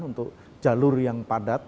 untuk jalur yang padat